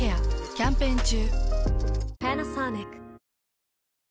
キャンペーン中。